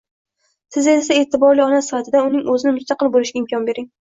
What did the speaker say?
Siz esa, e’tiborli ona sifatida unga o‘zini mustaqil bo'lishiga imkon bering.